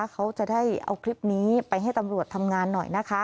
เขาจะได้เอาคลิปนี้ไปให้ตำรวจทำงานหน่อยนะคะ